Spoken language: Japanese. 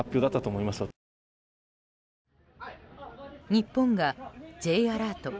日本が、Ｊアラート